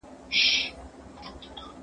آیا په کور کي د ژبو زده کول اسانه کار دی؟